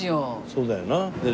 そうだよな。